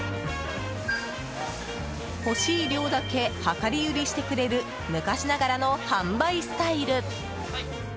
欲しい量だけ量り売りしてくれる昔ながらの販売スタイル。